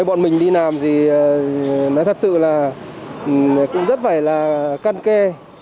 bọn mình đi làm thì thật sự là cũng rất phải là căn kê